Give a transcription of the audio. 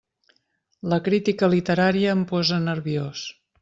La crítica literària em posa nerviós!